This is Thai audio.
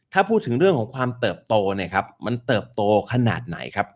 ถ้าพูดถึงเรื่องของความเติบโตเนี่ยครับมันเติบโตขนาดไหนครับ